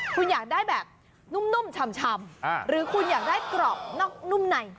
คุณอยากได้แบบนุ่มชำหรือคุณอยากได้กรอบนอกนุ่มใน